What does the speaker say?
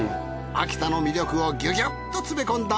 秋田の魅力をギュギュッと詰め込んだ